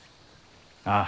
ああ。